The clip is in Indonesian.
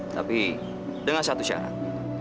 tapi dengan satu syarat